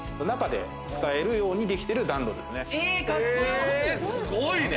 中で使えるようにできてる暖炉ですね。